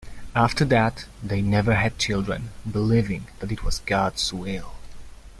After that, they never had children, believing that it was God's will.